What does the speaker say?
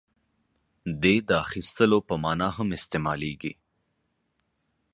• دې د اخیستلو په معنیٰ هم استعمالېږي.